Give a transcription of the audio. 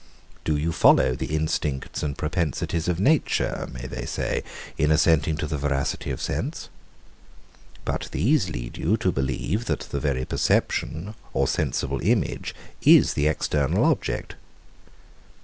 Do you follow the instincts and propensities of nature, may they say, in assenting to the veracity of sense? But these lead you to believe that the very perception or sensible image is the external object.